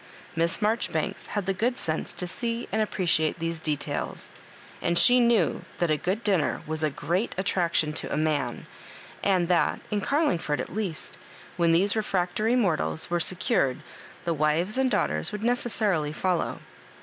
Miss Maijoribanks had the good sense to see and appreciate these details ; and she knew that a good dinner was a great attraction to a man, and that, in Garling ford at least, when these refractory mortals were secured, the vnves and daughters would neces sarily follow.